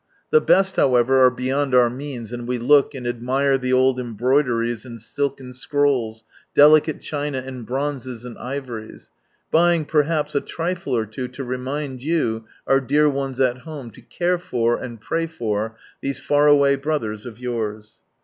The best however are beyond our means, and we look, and admire the old embroideries, and silken scrolls, delicate china, and bronzes, and ivories ; buying perhaps a trifle or two to remind you, our dear ones at home, to care for, and pray for, these far away brothers of yours.